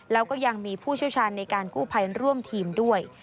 แล้วก็ยังมีผู้เชี่ยวชาญในการกู้ภัยร่วมทีมด้วย